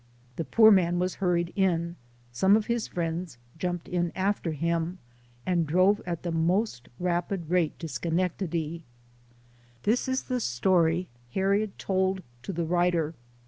The poor man was hurried in ; some of his friends jumped in after him, and drove at the most rapid rate to Schenectady, 02 SOME SCENES IN THE This is the story Harriet told to the writer.